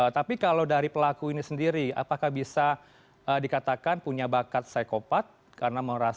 tapi kalau dari pelaku ini sendiri apakah bisa dikatakan punya bakat psikopat karena merasa